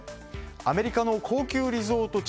アメリカの高級リゾート地